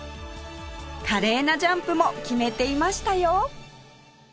華麗なジャンプも決めていましたよ